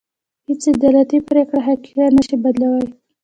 هېڅ عدالتي پرېکړه حقيقت نه شي بدلولی.